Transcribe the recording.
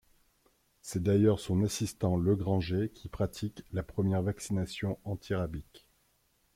C'est d'ailleurs son assistant, le Grancher, qui pratique la première vaccination anti-rabique.